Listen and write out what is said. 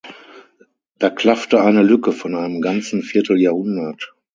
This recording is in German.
Da klaffte eine Lücke von einem ganzen Vierteljahrhundert.